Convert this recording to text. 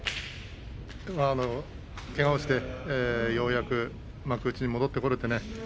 けがをして、ようやく幕内に戻ってこられてね。